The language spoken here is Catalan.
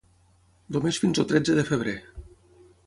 Només fins el tretze de febrer.